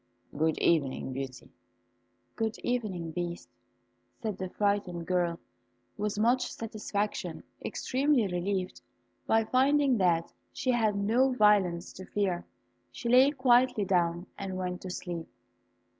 "Good evening, Beauty." "Good evening, Beast," said the frightened girl, with much satisfaction. Extremely relieved by finding that she had no violence to fear, she lay quietly down and went to sleep.